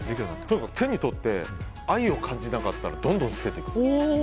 手に取って愛を感じなかったらどんどん捨てていく。